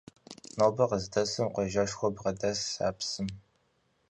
Нобэр къыздэсым къуажэшхуэу бгъэдэсщ а псым.